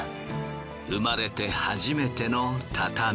生まれて初めての畳。